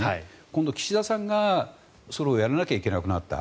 今度、岸田さんがそれをやらなければいけなくなった。